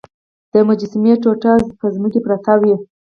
د مجسمې ټوټې په ځمکه پرتې وې.